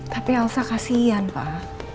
tapi elsa kasian pak